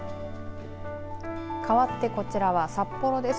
かわってこちらは札幌です。